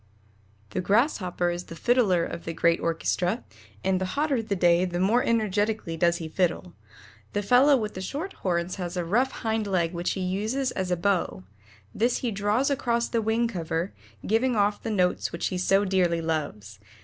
The Grasshopper is the fiddler of the great orchestra, and the hotter the day the more energetically does he fiddle. The fellow with the short horns has a rough hind leg which he uses as a bow; this he draws across the wing cover, giving off the notes which he so dearly loves.